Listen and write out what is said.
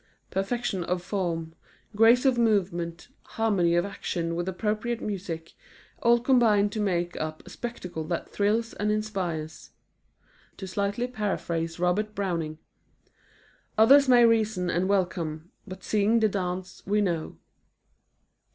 Perfection of form, grace of movement, harmony of action with appropriate music, all combine to make up a spectacle that thrills and inspires. To slightly paraphrase Robert Browning: "Others may reason and welcome, But seeing the dance, we know."